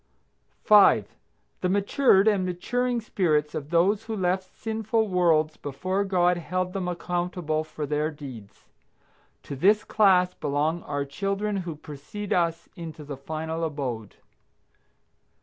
5. The matured and maturing spirits of those who left sinful worlds before God held them accountable for their deeds. To this class belong our children who precede us into the final abode.